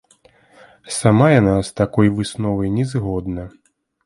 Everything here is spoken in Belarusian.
Сама яна з такой высновай не згодна.